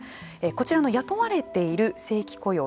こちらの雇われている正規雇用